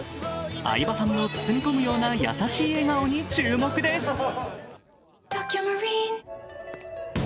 相葉さんの包み込むような優しい笑顔に注目です。